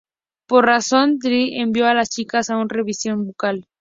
Por esta razón, Tyra envió a las chicas a un revisión bucal.